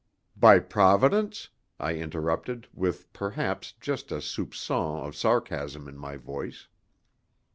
"By Providence?" I interrupted, with, perhaps, just a soupçon of sarcasm in my voice.